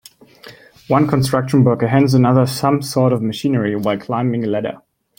One construction worker hands another some sort of machinery while climbing a ladder.